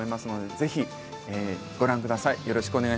ぜひ、ご覧ください。